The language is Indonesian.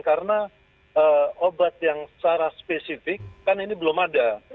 karena obat yang secara spesifik kan ini belum ada